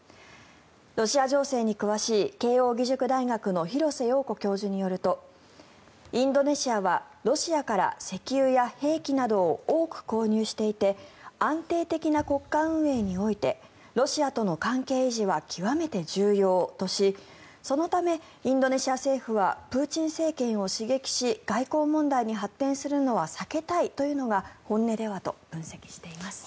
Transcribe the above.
ロシア情勢に詳しい慶應義塾大学の廣瀬陽子教授によるとインドネシアはロシアから石油や兵器などを多く購入していて安定的な国家運営においてロシアとの関係維持は極めて重要としそのため、インドネシア政府はプーチン政権を刺激し外交問題に発展するのは避けたいのが本音ではと分析しています。